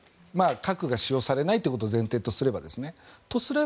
核が使用されないということを前提とすればですね。